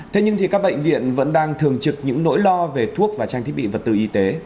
thế nhưng các bệnh viện vẫn đang thường trực những nỗi lo về thuốc và trang thiết bị vật tư y tế